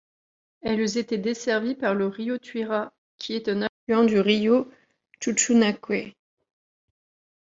Elles étaient desservies par le Rio Tuira, qui est un affluent du Rio Chuchunaque.